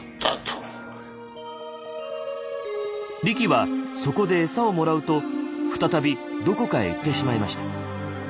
リキはそこで餌をもらうと再びどこかへ行ってしまいました。